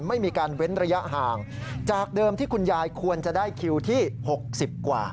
ไม่มีการเว้นระยะห่างจากเดิมที่คุณยายควรจะได้คิวที่๖๐กว่า